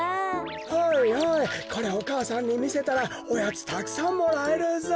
はいはいこりゃお母さんにみせたらおやつたくさんもらえるぞ。